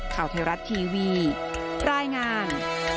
ข่าวไทยรัฐทีวีรายงาน